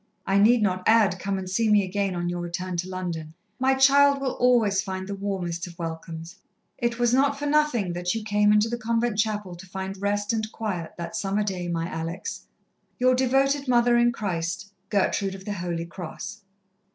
I need not add come and see me again on your return to London. My child will always find the warmest of welcomes! It was not for nothing that you came into the convent chapel to find rest and quiet, that summer day, my Alex! "Your devoted Mother in Christ, "GERTRUDE OF THE HOLY CROSS."